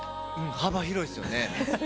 幅広いですよね。